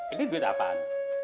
ini duit apaan